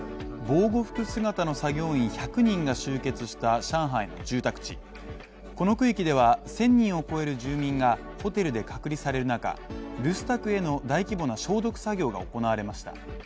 防護服姿の作業員１００人が集結した上海の住宅地、この区域では１０００人を超える住民がホテルで隔離される中、留守宅への大規模な消毒作業が行われました。